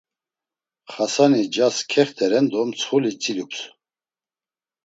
Xasani ncas kexteren do mtsxuli tzilups.